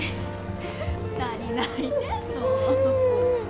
何泣いてんの。